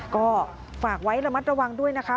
ก็ฝากไว้ระมัดระวังด้วยนะคะ